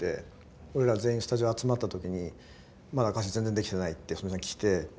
俺ら全員スタジオ集まった時にまだ歌詞全然できてないって細美さん来て。